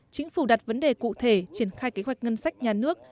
chính phủ đặt vấn đề cụ thể triển khai kế hoạch ngân sách nhà nước